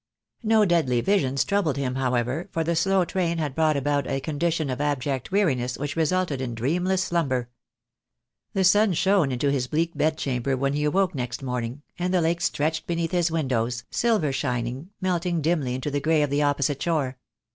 No deadly visions troubled him, however, for the slow train had brought about a condition of abject weariness which resulted in dreamless slumber. The sun shone into his bleak bed chamber when he awoke next morning, and the lake stretched beneath his windows, silver shin ing, melting dimly into the grey of the opposite shore.